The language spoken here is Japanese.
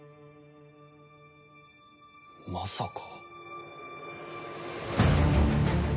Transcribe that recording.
まさか。